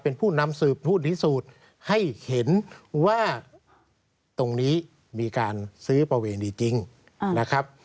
เป็นผู้นำสืบผู้พิสูจน์ให้เห็นว่าตรงนี้มีการซื้อประเวณีจริงนะครับ